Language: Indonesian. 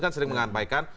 kan sering mengampaikan